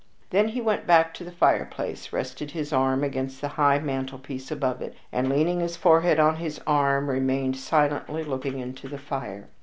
Then he went back to the fireplace, rested his arm against the high mantelpiece above it, and leaning his forehead on his arm, remained silently looking into the fire.